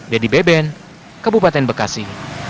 dedy beben kabupaten bekasi